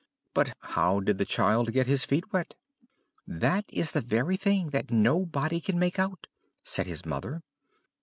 "But how did the child get his feet wet?" "That is the very thing that nobody can make out," said his mother.